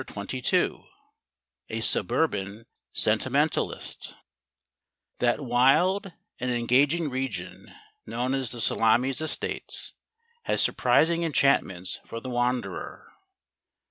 A SUBURBAN SENTIMENTALIST That wild and engaging region known as the Salamis Estates has surprising enchantments for the wanderer.